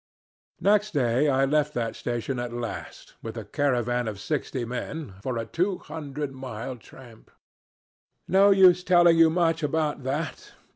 "Next day I left that station at last, with a caravan of sixty men, for a two hundred mile tramp. "No use telling you much about that.